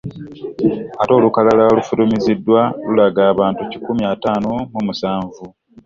Ate olukalala olufulumiziddwa lulaga abantu kikumi ataano mu musanvu